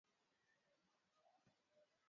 Wapigaji kura walijisajili